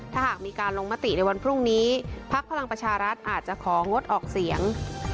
ถ้าหากมีการลงมติในวันพรุ่งนี้พักพลังประชารัฐอาจจะของงดออกเสียง